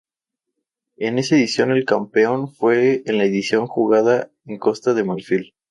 En esa edición el campeón fue en la edición jugada en Costa de Marfil.